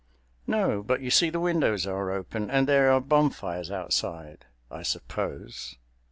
"No; but you see the windows are open, and there are bonfires outside, I suppose."